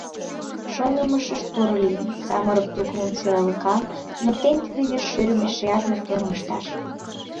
Шонымашышт поро лийын: самырык тукымым сӧраллыклан туныктен, тиде вершӧрым эшеат моторым ышташ.